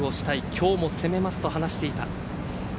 今日も攻めますと話していた。